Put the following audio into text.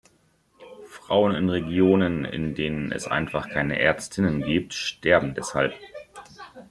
Frauen in Regionen, in denen es einfach keine Ärztinnen gibt, sterben deshalb.